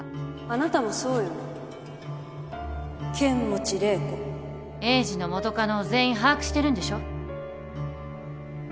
あなたもそうよね剣持麗子栄治の元カノを全員把握してるんでしょ？